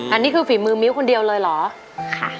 อันนี้คือฝีมือมิ้วคนเดียวเลยเหรอค่ะ